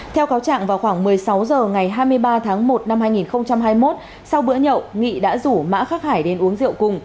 theo cáo trạng vào khoảng một mươi sáu h ngày hai mươi ba tháng một năm hai nghìn hai mươi một sau bữa nhậu nghị đã rủ mã khắc hải đến uống rượu cùng